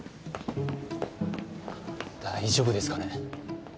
大丈夫ですかね？